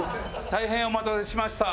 大変お待たせしました。